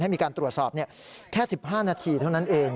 มีการตรวจสอบแค่๑๕นาทีเท่านั้นเอง